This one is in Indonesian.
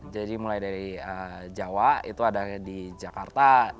mulai dari jawa itu ada di jakarta